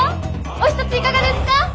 お一ついかがですか？